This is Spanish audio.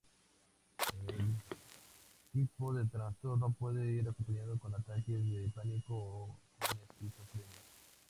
Este tipo de trastorno puede ir acompañado con ataques de pánico o con esquizofrenia.